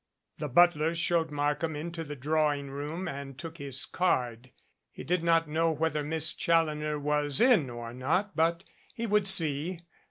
The butler showed Markham into the drawing room and took his card. He did not know whether Miss Chal loner was in or not, but he would see.